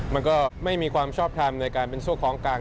มันก็ไม่มีความชอบทำในการเป็นโซ่ของกลาง